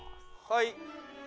はい。